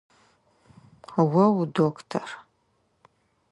О удоктор?